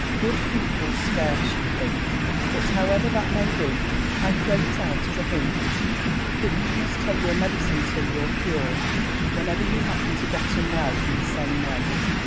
Good people's scarce, you think; but however that may be, I throw it out as a hint, that you must take your medicine till you're cured, whenever you happen to get unwell in the same way."